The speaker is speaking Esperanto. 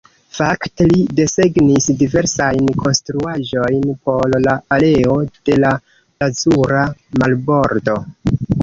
Fakte li desegnis diversajn konstruaĵojn por la areo de la Lazura Marbordo.